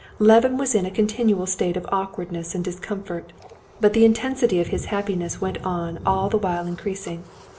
Levin was in a continual state of awkwardness and discomfort, but the intensity of his happiness went on all the while increasing.